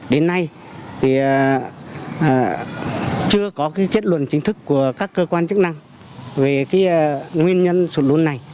đến nay thì chưa có kết luận chính thức của các cơ quan chức năng về cái nguyên nhân sụt lún này